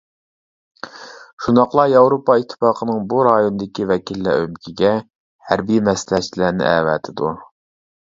شۇنداقلا ياۋروپا ئىتتىپاقىنىڭ بۇ رايوندىكى ۋەكىللەر ئۆمىكىگە ھەربىي مەسلىھەتچىلەرنى ئەۋەتىدۇ.